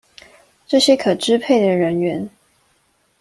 這些可支配的人員